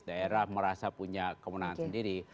daerah merasa punya kemenangan sendiri